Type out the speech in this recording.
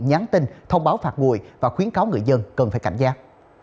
nhắn tin thông báo phạt nguội và khuyến cáo người dân cần phải cảnh giác